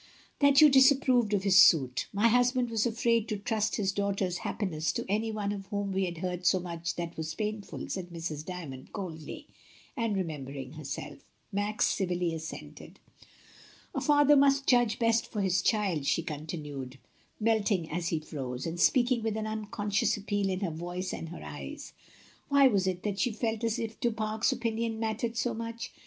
. that you disapproved of his suit." "My husband was afraid to trust his daughter's happiness to any one of whom we had heard so much that was painful," said Mrs. D)rmond coldly, and remembering herself. Max civilly assented. "A father must judge best for his child," she continued, melting as he froze, and speaking with an unconscious appeal in her voice and her eyes. Why was it that she felt as if Du Fare's opinion mattered so much?